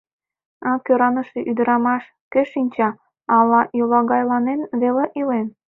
А кӧраныше ӱдырамаш, кӧ шинча, ала йолагайланен веле илен.